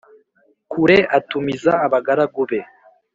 Kure atumiza abagaragu be